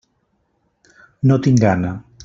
No tinc gana.